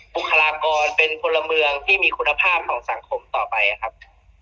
บุคลากรเป็นพลเมืองที่มีคุณภาพของสังคมต่อไปครับ